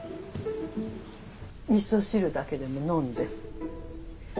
みそ汁だけでも飲んで。